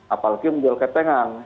apalagi menjual ketengan